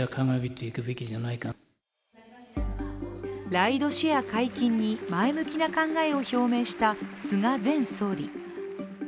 ライドシェア解禁に前向きな考えを表明した菅前総理。